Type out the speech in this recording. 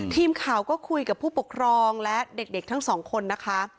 ทีมข่าวก็คุยกับผู้ปกครองและเด็กทั้งสองคนนะคะ